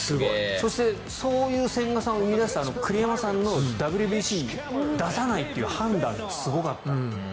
そしてそういう千賀さんを生み出した栗山さんのＷＢＣに出さないっていう判断がすごかった。